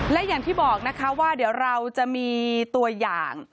และอย่างที่บอกนะคะว่าเดี๋ยวเราจะมีตัวอย่าง